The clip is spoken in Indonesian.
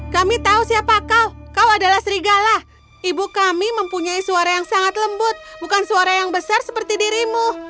kami tahu siapa kau kau adalah serigala ibu kami mempunyai suara yang sangat lembut bukan suara yang besar seperti dirimu